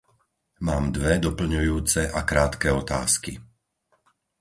Mám dve doplňujúce a krátke otázky.